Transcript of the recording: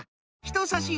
ひとさし